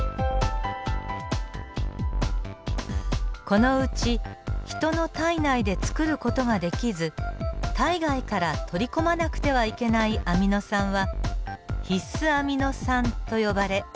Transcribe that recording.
このうちヒトの体内でつくる事ができず体外から取り込まなくてはいけないアミノ酸は必須アミノ酸と呼ばれ９種類あります。